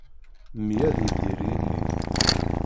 Mmi ad yidir yili.